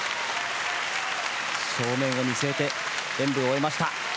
正面を見据えて演武を終えました。